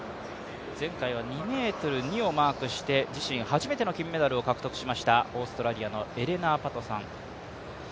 前回は２ｍ２をマークして自身初めての金メダルを獲得しましたオーストラリアのエレナー・パタソン。